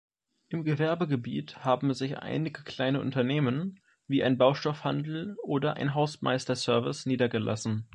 Im Gewerbegebiet haben sich einige kleine Unternehmen, wie ein Baustoffhandel oder ein Hausmeister-Service niedergelassen.